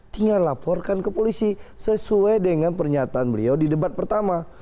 tinggal laporkan ke polisi sesuai dengan pernyataan beliau di debat pertama